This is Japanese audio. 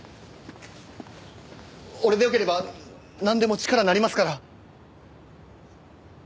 俺でよければなんでも力になりますから！